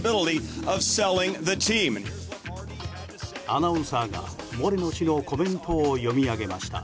アナウンサーがモレノ氏のコメントを読み上げました。